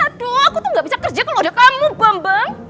aduh aku tuh gak bisa kerja kalau udah kamu bambang